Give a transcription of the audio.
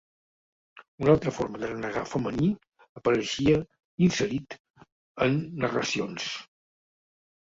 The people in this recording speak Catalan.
Un altra forma de renegar femení apareixia inserit en narracions.